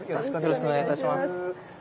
よろしくお願いします。